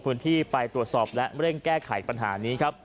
พื้นที่ไปตรวจสอบและเร่งแก้ไขปัญหานี้ครับ